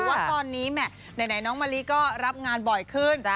ว่าตอนนี้แหม่ไหนน้องมะลิก็รับงานบ่อยขึ้น